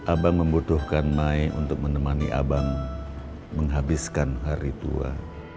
abang membutuhkan mae untuk menemani abang menghabiskan hari tua